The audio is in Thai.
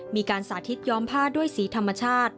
มีการสาธิตย้อมผ้าด้วยสีธรรมชาติ